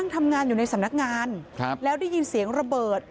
ทำงานอยู่ในสำนักงานแล้วได้ยินเสียงระเบิด